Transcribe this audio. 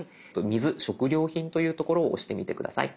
水・食料品という所を押してみて下さい。